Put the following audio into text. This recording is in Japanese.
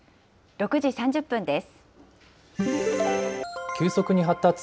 ６時３０分です。